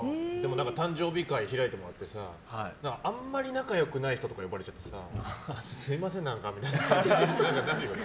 誕生日会、開いてもらってあんまり仲良くない人とか呼ばれちゃってさあすみません何かってなるよ。